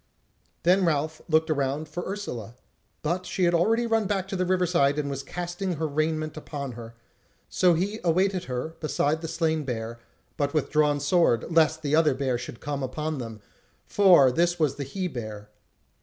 Then Ralph looked around for Ursula; but she had already run back to the river side and was casting her raiment on her; so he awaited her beside the slain bear, but with drawn sword, lest the other bear should come upon them; for this was the he bear.